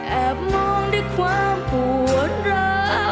แอบมองด้วยความปวดร้า